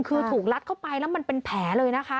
คือถูกลัดเข้าไปแล้วมันเป็นแผลเลยนะคะ